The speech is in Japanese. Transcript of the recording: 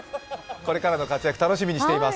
これからの活躍、楽しみにしています。